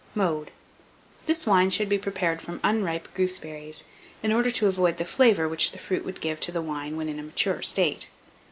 Mode. This wine should be prepared from unripe gooseberries, in order to avoid the flavour which the fruit would give to the wine when in a mature state.